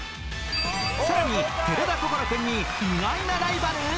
さらに寺田心君に意外なライバル！？